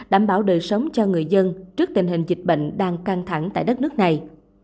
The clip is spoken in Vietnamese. đảm bảo đời sống cho người dân trước tình hình dịch bệnh đang căng thẳng tại đất nước này